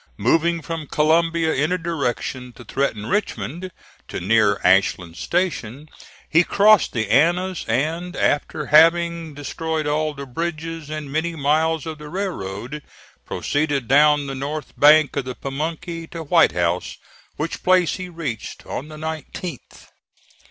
Moving from Columbia in a direction to threaten Richmond, to near Ashland Station, he crossed the Annas, and after having destroyed all the bridges and many miles of the railroad, proceeded down the north bank of the Pamunkey to White House, which place he reached on the 19th.